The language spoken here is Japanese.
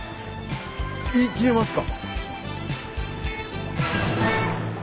言いきれますか？